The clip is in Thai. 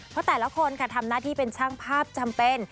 เพราะแต่ละคนค่ะทำหน้าที่เป็นช่างภาพจำเป็น